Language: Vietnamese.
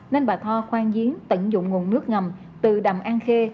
nên bà tho khoan diến tận dụng nguồn nước ngầm từ đầm an khê